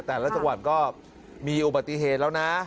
แต่ละจังหวัดก็มีอุบัติเหตุแล้วนะ